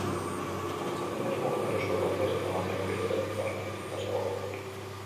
Antza denez, bonba aerosol batez eta material piroteknikoaz osatuta zegoen.